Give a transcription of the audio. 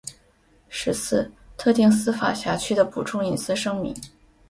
十四、特定司法辖区的补充隐私声明